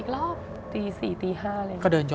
แล้ว